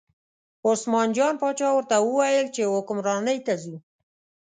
عثمان جان باچا ورته وویل چې حکمرانۍ ته ځو.